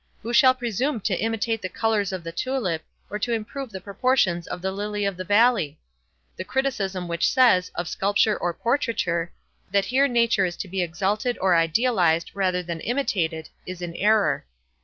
Who shall presume to imitate the colors of the tulip, or to improve the proportions of the lily of the valley? The criticism which says, of sculpture or portraiture, that here nature is to be exalted or idealized rather than imitated, is in error.